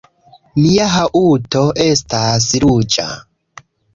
Mia haŭto estas ruĝa